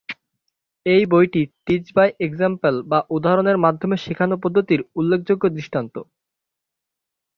এই বইটি টিচ-বাই-এক্সাম্পল বা উদাহরণের-মাধ্যমে-শেখানো পদ্ধতির উল্লেখযোগ্য দৃষ্টান্ত।